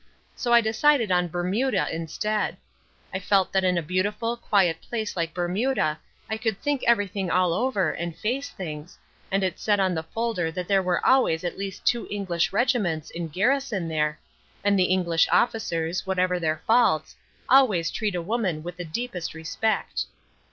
So I decided on Bermuda instead. I felt that in a beautiful, quiet place like Bermuda I could think everything all over and face things, and it said on the folder that there were always at least two English regiments in garrison there, and the English officers, whatever their faults, always treat a woman with the deepest respect.